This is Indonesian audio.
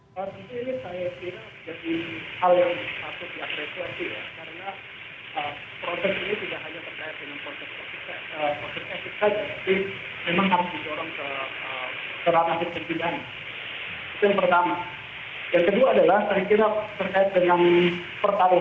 artinya ini saya kira jadi hal yang harus diakresikan